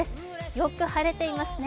よく晴れていますね。